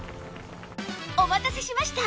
お待たせしました！